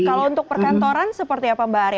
kalau untuk perkantoran seperti apa mbak ari